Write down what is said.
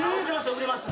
遅れました。